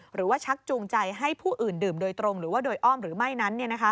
ชักจูงใจให้ผู้อื่นดื่มโดยตรงหรือว่าโดยอ้อมหรือไม่นั้น